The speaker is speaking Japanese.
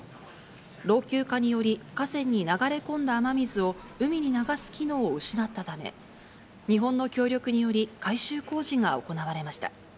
老朽化により、河川に流れ込んだ雨水を海に流す機能を失ったため、日本の協力により改修工事が行われました。